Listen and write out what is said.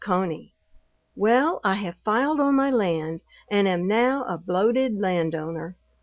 CONEY, Well, I have filed on my land and am now a bloated landowner.